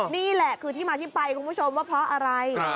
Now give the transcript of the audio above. นี่แหละคือที่มาที่ไปคุณผู้ชมว่าเพราะอะไร